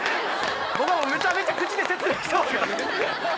僕はめちゃくちゃ口で説明してますからね。